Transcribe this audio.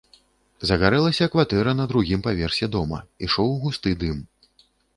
Загарэлася кватэра на другім паверсе дома, ішоў густы дым.